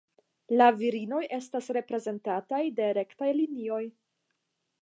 La virinoj estas representataj de rektaj linioj.